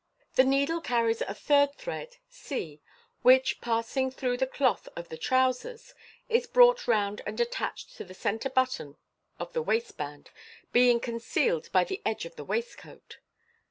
The needle carries a third thread c, which, passing through the cloth of the trousers, is brought round and attached to the centre button of the waistband, being con cea'ed by the edge of the waistcoat.